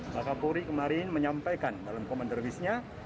pak kapolri kemarin menyampaikan dalam komentar bisnya